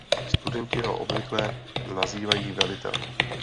Studenti ho obvykle nazývají Velitel.